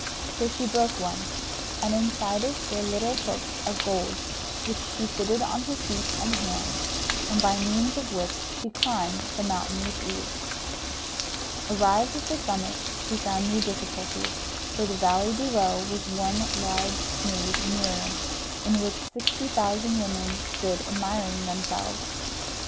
So she broke one, and inside it were little hooks of gold, which she fitted on her feet and hands, and by means of which she climbed the mountain with ease. Arrived at the summit she found new difficulties; for the valley below was one large smooth mirror, in which sixty thousand women stood admiring themselves.